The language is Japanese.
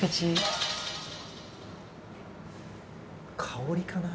香りかな。